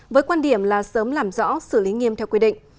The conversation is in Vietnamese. với quan điểm là sớm làm rõ xử lý nghiêm theo quy định